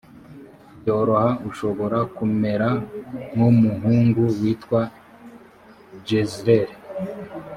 byoroha ushobora kumera nk umuhungu witwa jezreel